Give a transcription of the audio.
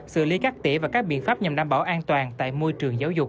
xử lý cắt tỉa và các biện pháp nhằm đảm bảo an toàn tại môi trường giáo dục